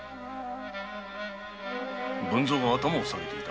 文造が頭を下げていた？